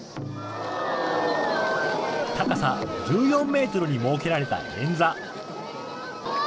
高さ１４メートルに設けられた円座。